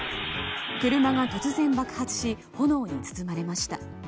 車が突然、爆発し炎に包まれました。